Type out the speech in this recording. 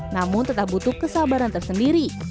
namun tetap butuh kesabaran tersendiri